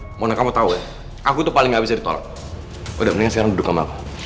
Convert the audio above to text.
hai mona kamu tahu aku tuh paling bisa ditolak udah mendingan duduk sama aku